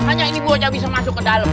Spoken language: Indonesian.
hanya ini gua aja bisa masuk ke dalam